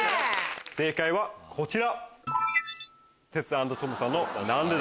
正解はこちら。